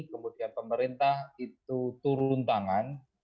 kemudian pemerintah itu turun tangan